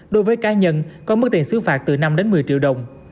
đối với cá nhân có mức tiền xứ phạt từ năm một mươi triệu đồng